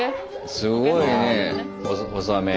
すごいねえ